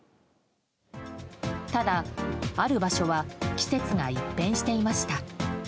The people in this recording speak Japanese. ただ、ある場所は季節が一変していました。